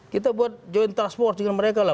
kita buat joint transport dengan mereka lah